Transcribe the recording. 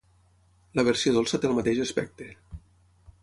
La versió dolça té el mateix aspecte.